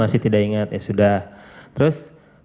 masih tidak ingat ya sudah terus